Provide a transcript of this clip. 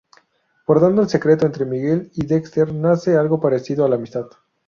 Guardando el secreto, entre Miguel y Dexter nace algo parecido a la amistad.